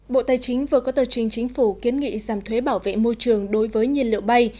bộ tài chính vừa có tờ trình chính phủ kiến nghị giảm thuế bảo vệ môi trường đối với nhiên liệu bay